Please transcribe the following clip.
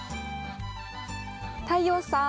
太陽さん。